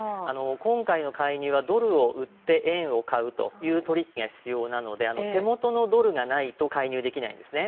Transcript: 今回の介入はドルを売って円を買うという取引が必要なので手元のドルがないと介入できないんですね。